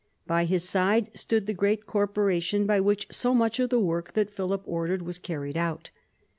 By his side stood the great corporation by which so much of the work that Philip ordered was carried out.